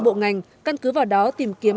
bộ ngành căn cứ vào đó tìm kiếm